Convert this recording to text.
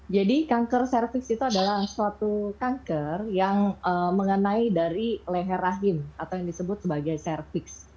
jadi kanker cervix itu adalah suatu kanker yang mengenai dari leher rahim atau yang disebut sebagai cervix